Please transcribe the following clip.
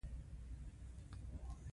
د موټر اخیستل پانګونې ته اړتیا لري.